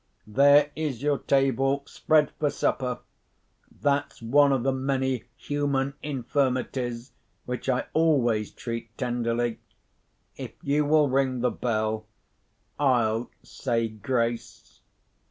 There is your table spread for supper. That's one of the many human infirmities which I always treat tenderly. If you will ring the bell, I'll say grace.